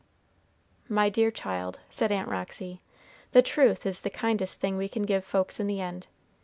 "My dear child," said Aunt Roxy, "the truth is the kindest thing we can give folks in the end.